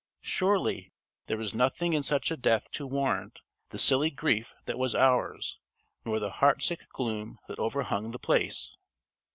Surely, there was nothing in such a death to warrant the silly grief that was ours, nor the heartsick gloom that overhung The Place!